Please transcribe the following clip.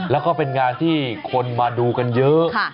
แล้วก็เป็นงานที่คนมาดูกันเยอะ